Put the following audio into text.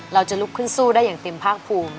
เราจะลุกขึ้นสู้ได้อย่างเต็มภาคภูมิ